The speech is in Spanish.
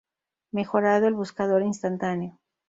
Mejorado el buscador instantáneo.